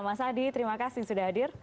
mas adi terima kasih sudah hadir